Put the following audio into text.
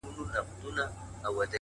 هغه چي ژوند يې د روحونو د اروا مالک دی”